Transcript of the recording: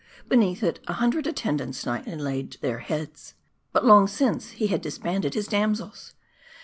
Beneath it a hundred attendants nightly laying their heads. But long since, he had disbanded his damsels.